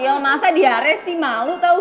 yol masa diare sih malu tau gak